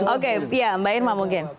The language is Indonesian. oke mbak irma mungkin